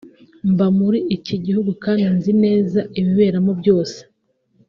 mba muri iki gihugu kandi nzi neza ibiberamo byose